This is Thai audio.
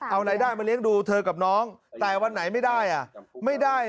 เอารายได้มาเลี้ยงดูเธอกับน้องแต่วันไหนไม่ได้อ่ะไม่ได้